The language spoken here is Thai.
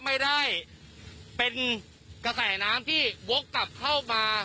ไม่ได้เป็นกระแสน้ำที่วกกลับเข้ามา